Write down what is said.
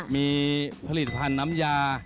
มีผลิตภัณฑ์น้ำยา